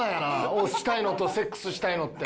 押したいのとセックスしたいのって。